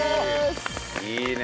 いいね。